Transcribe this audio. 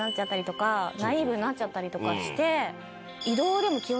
ナイーブになっちゃったりとかして。